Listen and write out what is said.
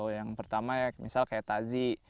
yang pertama misalnya tazi